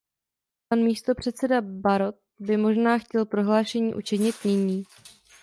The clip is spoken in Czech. Pan místopředseda Barrot by možná chtělprohlášení učinit nyní.